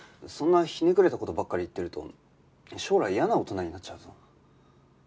そんなひねくれた事ばっかり言ってると将来嫌な大人になっちゃうぞ。